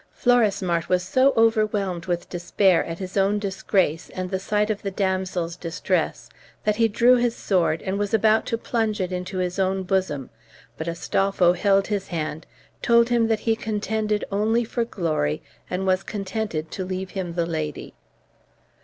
Florismart was so overwhelmed with despair at his own disgrace and the sight of the damsel's distress, that he drew his sword, and was about to plunge it into his own bosom. But Astolpho held his hand, told him that he contended only for glory, and was contented to leave him the lady.